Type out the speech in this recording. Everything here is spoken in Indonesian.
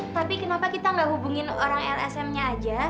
tapi kenapa kita nggak hubungin orang lsm nya aja